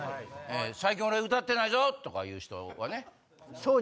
最近俺歌ってないぞ！とかいう人はね。